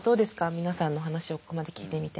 皆さんのお話をここまで聞いてみて。